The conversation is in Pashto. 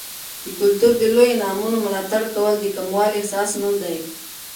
د کلتور د لویو انعامونو ملاتړ کول، نو د کموالي احساس نه دی.